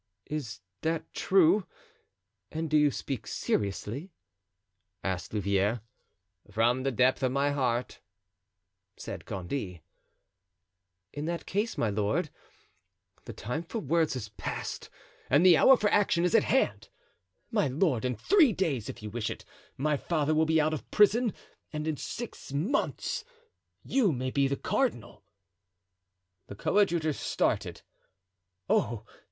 "Is that true, and do you speak seriously?" asked Louvieres. "From the depth of my heart," said Gondy. "In that case, my lord, the time for words has passed and the hour for action is at hand; my lord, in three days, if you wish it, my father will be out of prison and in six months you may be cardinal." The coadjutor started. "Oh!